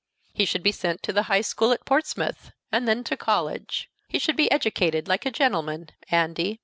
He should be sent to the High School at Portsmouth, and then to college; he should be educated like a gentleman, Andy.